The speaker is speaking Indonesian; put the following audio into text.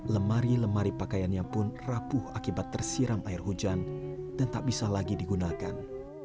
lemari lemari pakaiannya pun rapuh akibat tersiram air hujan dan tak bisa lagi digunakan